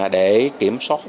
để kiểm soát